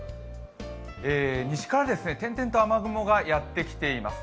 西から点々と雨雲がやってきています。